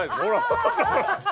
ハハハ